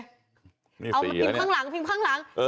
เอามาพิมพ์ข้างหลังพิมพ์ข้างหลัง